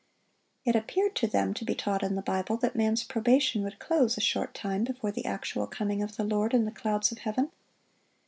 It appeared to them to be taught in the Bible, that man's probation would close a short time before the actual coming of the Lord in the clouds of heaven.